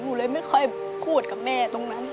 หนูเลยไม่ค่อยพูดกับแม่ตรงนั้น